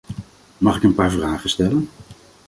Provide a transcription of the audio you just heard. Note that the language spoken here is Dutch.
Mag ik een paar vragen stellen?